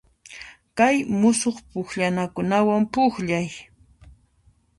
Kay musuq pukllanakunawan pukllay.